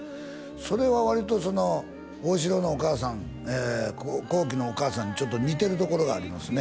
それは割と旺志郎のお母さん航基のお母さんにちょっと似てるところがありますね